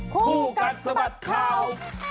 ผู้กันสบัดข่าว